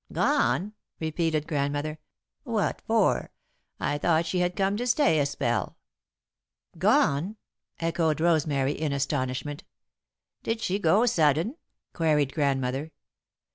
"Gone!" repeated Grandmother. "What for? I thought she had come to stay a spell." "Gone!" echoed Rosemary, in astonishment. "Did she go sudden?" queried Grandmother.